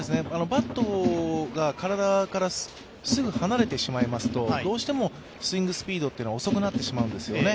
バットが体からすぐ離れてしまいますと、どうしてもスイングスピードが遅くなってしまうんですよね。